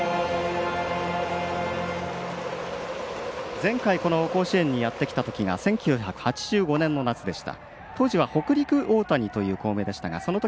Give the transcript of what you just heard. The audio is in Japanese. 前回、この甲子園にやってきたときが１９８５年の夏でした。